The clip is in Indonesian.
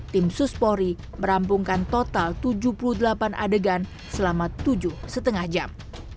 tim suspori merampungkan total tujuh puluh delapan adegan selama tujuh lima jam